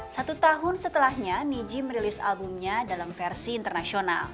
satu tahun setelahnya niji merilis albumnya dalam versi internasional